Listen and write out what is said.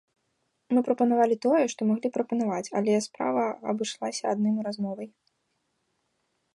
Мы прапанавалі тое, што маглі прапанаваць, але справа абышлася адным размовай.